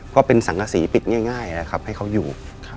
ก็เป็นสังกษีปิดง่ายนะครับให้เขาอยู่